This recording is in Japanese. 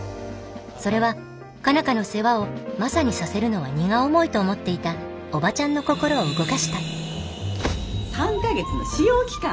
それは佳奈花の世話をマサにさせるのは荷が重いと思っていたオバチャンの心を動かした３か月の試用期間。